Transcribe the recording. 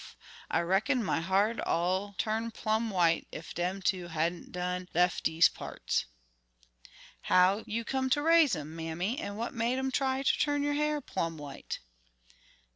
I reckon my ha'r'd all turn plum' white ef dem two hadn't don lef' dese parts." "How you come to raise 'em, mammy, an' what made 'em try ter turn yo' ha'r plum' white?"